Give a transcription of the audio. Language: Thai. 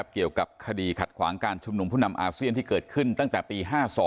เกี่ยวกับคดีขัดขวางการชุมนุมผู้นำอาเซียนที่เกิดขึ้นตั้งแต่ปี๕๒